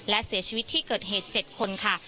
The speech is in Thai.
และเสียชีวิตที่เกิดเหตุ๗คนค่ะ